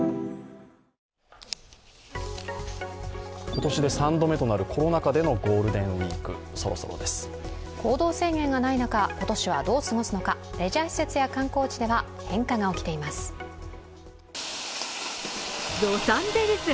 今年で３度目となるコロナ禍でのゴールデンウイーク行動制限がない中今年はどう過ごすのか、レジャー施設や観光地では、変化が起きています。